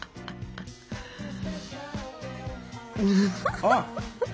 あっ！